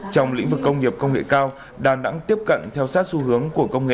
trong lĩnh vực công nghiệp công nghệ cao đà nẵng tiếp cận theo sát xu hướng của công nghệ